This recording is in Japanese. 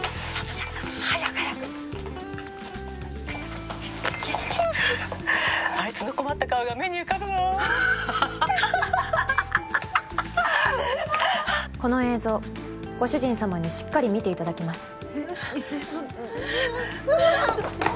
ぞうご主人様にしっかり見ていただきます。